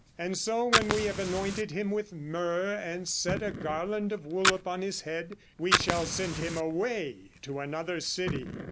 And so when we have anointed him with myrrh and set a garland of wool upon his head, we shall send him away to another city."